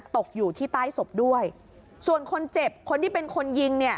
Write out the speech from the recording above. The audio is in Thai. ตกอยู่ที่ใต้ศพด้วยส่วนคนเจ็บคนที่เป็นคนยิงเนี่ย